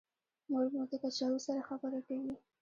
مور مې د کچالو سره خبرې کوي.